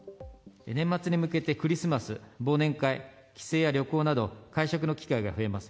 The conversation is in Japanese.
年末に向けてクリスマス、忘年会、帰省や旅行など、会食の機会が増えます。